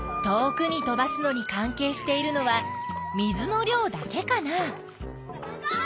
遠くに飛ばすのに関係しているのは水の量だけかな？